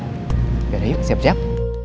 gimana yuk siap siap